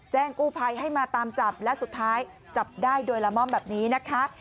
กู้ภัยให้มาตามจับและสุดท้ายจับได้โดยละม่อมแบบนี้นะคะ